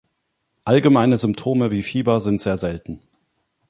Allgemeine Symptome wie Fieber sind sehr selten.